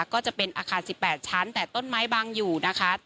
ก็จะเป็นอาคาร๑๘ชั้นแต่ต้นไม้บังอยู่นะคะ